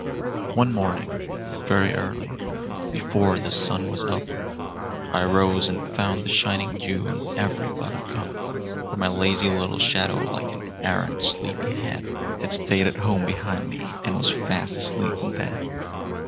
MY SHADOW [Pg 21] One morning, very early, before the sun was up, I rose and found the shining dew on every buttercup; But my lazy little shadow, like an arrant sleepy head, Had stayed at home behind me and was fast asleep in bed.